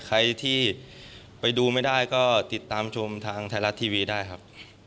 ใครที่ไปดูไม่ได้ก็ติดตามชมทางไทยรัฐทีวีได้ครับ